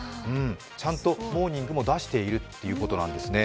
ちゃんとモーニングも出しているということなんですね。